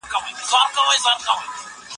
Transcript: دژوند درنګ و خوند سوال ، چي مي وکړ وې ويله